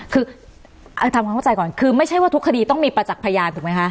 คือทำความเข้าใจก่อนคือไม่ใช่ว่าทุกคดีต้องมีประจักษ์พยานถูกไหมคะ